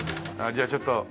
じゃあちょっと。